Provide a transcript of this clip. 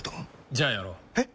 じゃあやろう。え？